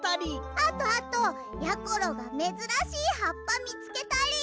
あとあとやころがめずらしいはっぱみつけたり！